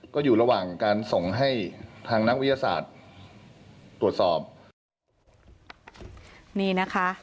ก็อยู่ระหว่างการส่งให้ทางนักวิทยาศาสตร์ตรวจสอบนี่นะคะ